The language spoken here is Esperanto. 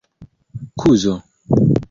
kuzo